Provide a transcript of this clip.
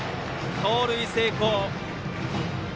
盗塁成功。